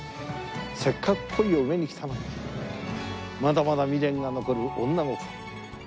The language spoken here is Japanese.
せっかく恋を埋めに来たのにまだまだ未練が残る女心。